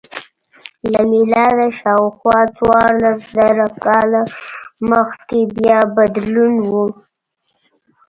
له میلاده شاوخوا څوارلس زره کاله مخکې بیا بدلون و